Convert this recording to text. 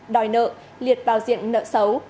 đòi nợ liệt vào diện nợ xấu